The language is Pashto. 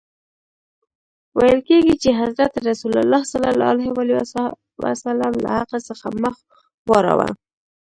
ویل کیږي چي حضرت رسول ص له هغه څخه مخ واړاوه.